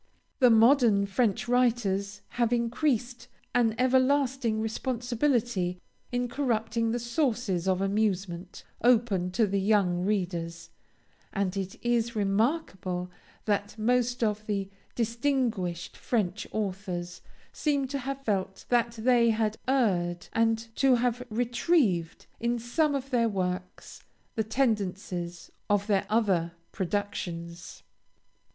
The modern French writers have increased an everlasting responsibility in corrupting the sources of amusement, open to the young readers, and it is remarkable that most of the distinguished French authors seem to have felt that they had erred, and to have retrieved in some of their works the tendencies of their other productions.